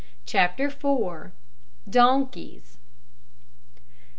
CHAPTER FOUR. DONKEYS.